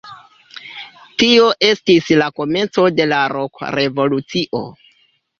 Tio estis la komenco de la rok-revolucio.